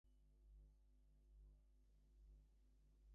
She later held an assistant position within the company.